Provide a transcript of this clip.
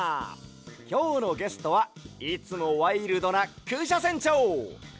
きょうのゲストはいつもワイルドなクシャせんちょう！